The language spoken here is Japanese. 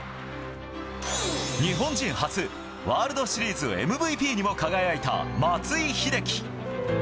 日本人初、ワールドシリーズＭＶＰにも輝いた松井秀喜。